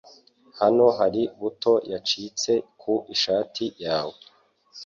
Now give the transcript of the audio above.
Hano hari buto yacitse ku ishati yawe.